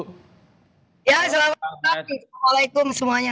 ya selamat malam assalamualaikum semuanya